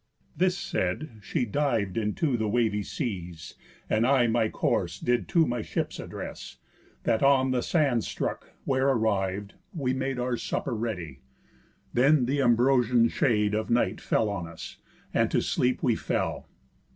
This said, she div'd into the wavy seas, And I my course did to my ships address, That on the sands stuck; where arriv'd, we made Our supper ready. Then th' ambrosian shade Of night fell on us, and to sleep we fell.